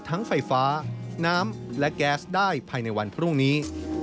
ไฟฟ้าน้ำและแก๊สได้ภายในวันพรุ่งนี้